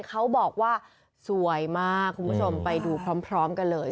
เขาบอกว่าสวยมากคุณผู้ชมไปดูพร้อมกันเลย